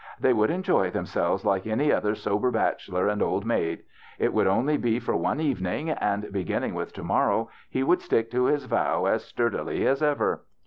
They would enjoy themselves like any other sober bachelor and old maid. It would only be for one evening, and begin ning with to morrow he would stick to his vow as sturdily as ever.